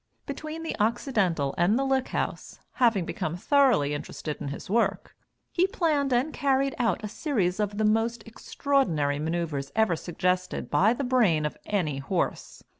Between the Occidental and the Lick House, having become thoroughly interested in his work, he planned and carried out a series of the most extraordinary maneuvres ever suggested by the brain of any horse.